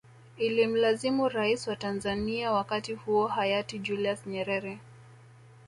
Ilimlazimu rais wa Tanzanzia wakati huo hayati Julius Nyerere